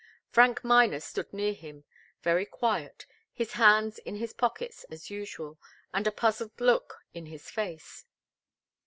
Frank Miner stood near him, very quiet, his hands in his pockets, as usual, and a puzzled look in his face.